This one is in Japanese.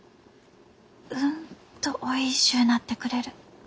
うんとおいしゅうなってくれる。